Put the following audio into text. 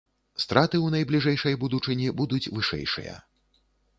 Страты ў найбліжэйшай будучыні будуць вышэйшыя.